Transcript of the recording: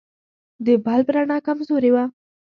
د بلب رڼا کمزورې وه.